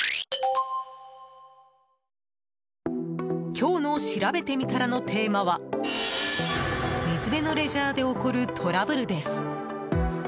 今日のしらべてみたらのテーマは水辺のレジャーで起こるトラブルです。